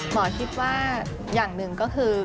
หมอคิดว่าอย่างหนึ่งก็คือ